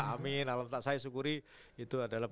amin alhamdulillah saya syukuri itu adalah